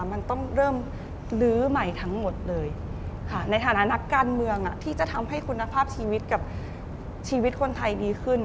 มันต้องเริ่มลื้อใหม่ทั้งหมดเลยในฐานะนักการเมืองที่จะทำให้คุณภาพชีวิตกับชีวิตคนไทยดีขึ้น